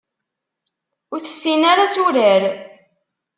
Ur tessin ara ad turar.